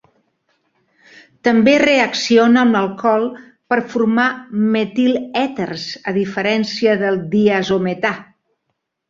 També reacciona amb l'alcohol per formar metil èters, a diferència del diazometà.